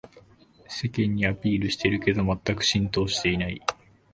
世間にアピールしてるけどまったく浸透してない